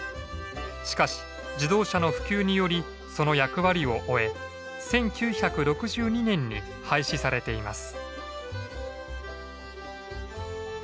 しかし自動車の普及によりその役割を終え１９６２年に廃止されています。